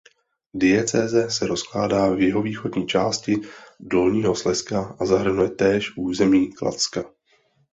Diecéze se rozkládá v jihovýchodní části Dolního Slezska a zahrnuje též území Kladska.